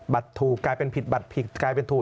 ถูกกลายเป็นผิดบัตรผิดกลายเป็นถูก